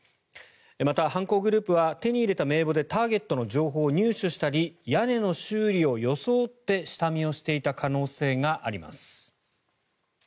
また、犯行グループは手に入れた名簿でターゲットの情報を入手したり屋根の修理を装って下見をしていた可能性があります。